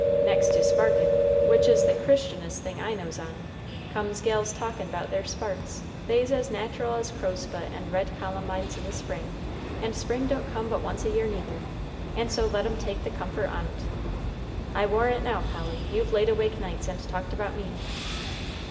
"Next to sparkin', which is the Christianist thing I knows on, comes gals' talks 'bout their sparks; they's as natural as crowsfoot and red columbines in the spring, and spring don't come but once a year neither, and so let 'em take the comfort on't. I warrant now, Polly, you've laid awake nights and talked about me."